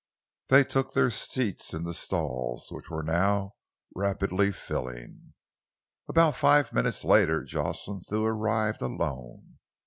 They took their seats in the stalls, which were now rapidly filling. About five minutes later, Jocelyn Thew arrived alone.